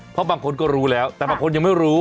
เพราะบางคนก็รู้แล้วแต่บางคนยังไม่รู้